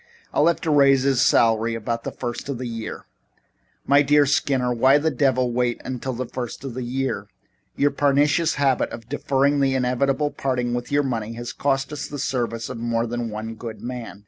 I'll have to raise his salary about the first of the year. "My dear Skinner, why the devil wait until the first of the year? Your pernicious habit of deferring the inevitable parting with money has cost us the services of more than one good man.